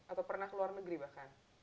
atau pernah ke luar negeri bahkan